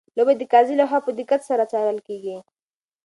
لوبه د قاضي لخوا په دقت سره څارل کیږي.